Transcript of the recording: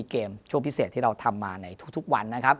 เกมช่วงพิเศษที่เราทำมาในทุกวันนะครับ